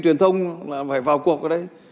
truyền thông là phải vào cuộc ở đây